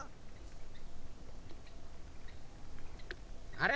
あれ？